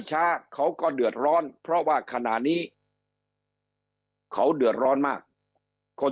เขาก็เดือดร้อนเพราะว่าขณะนี้เขาเดือดร้อนมากคน